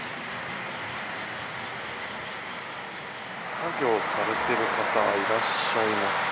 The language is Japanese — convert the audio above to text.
作業されてる方いらっしゃいますね。